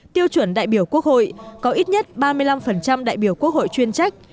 tiêu chuẩn đại biểu quốc hội có ít nhất ba mươi năm đại biểu quốc hội chuyên trách